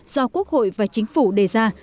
do quốc hội và chính phủ đề ra